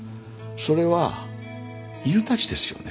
それは犬たちですよね。